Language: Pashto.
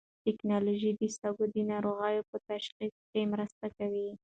ټېکنالوژي د سږو د ناروغۍ په تشخیص کې مرسته کوي.